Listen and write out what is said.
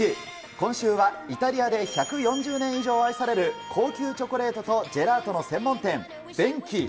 今週はイタリアで１４０年以上愛される高級チョコレートとジェラートの専門店、ヴェンキ。